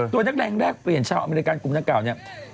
นักแรงแรกเปลี่ยนชาวอเมริกันกลุ่มนักกล่าวเนี่ย